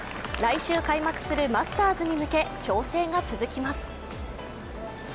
来週開幕するマスターズに向け調整が続きます。